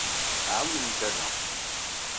Ɛawnent-aneɣ.